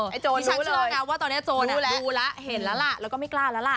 โจรที่ฉันเชื่อนะว่าตอนนี้โจรรู้แล้วเห็นแล้วล่ะแล้วก็ไม่กล้าแล้วล่ะ